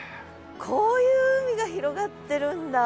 こういう海が広がってるんだ。